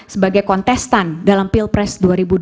sebagai kontestan dalam pilpres dua ribu dua puluh